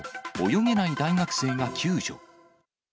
泳げない大学生が救助。